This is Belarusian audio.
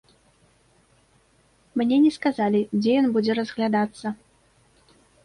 Мне не сказалі, дзе ён будзе разглядацца.